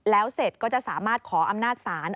แล้วเสร็จก็จะสามารถขออำนาจศาล